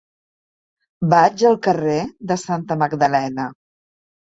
Vaig al carrer de Santa Magdalena.